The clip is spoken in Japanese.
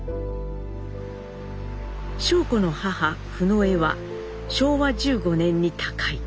尚子の母フノエは昭和１５年に他界。